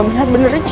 tante kenapa sih